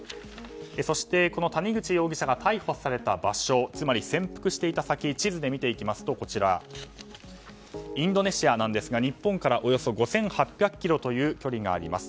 そしてこの谷口容疑者が逮捕された場所つまり潜伏していた先地図で見ていきますとインドネシアなんですが日本からおよそ５８００ｋｍという距離があります。